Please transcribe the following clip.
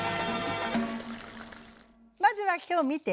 まずは今日見て。